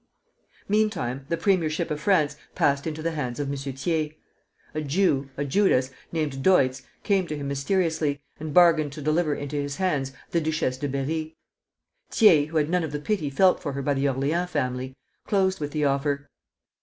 Meantime the premiership of France passed into the hands of M. Thiers. A Jew a Judas named Deutz, came to him mysteriously, and bargained to deliver into his hands the Duchesse de Berri. Thiers, who had none of the pity felt for her by the Orleans family, closed with the offer.